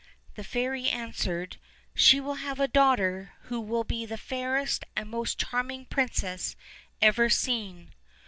The fairy answered: "She will have a daughter, who will be the fairest and most charming princess ever seen."